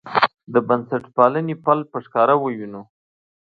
د بنسټپالنې پل په ښکاره ووینو.